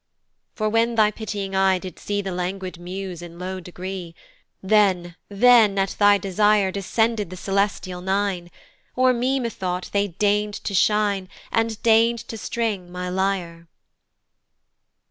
For when thy pitying eye did see The languid muse in low degree, Then, then at thy desire Descended the celestial nine; O'er me methought they deign'd to shine, And deign'd to string my lyre.